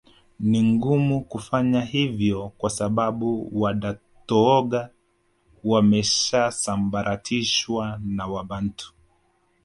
Ni ngumu kufanya hivyo kwa sababu Wadatooga wameshasambaratishwa na Wabantu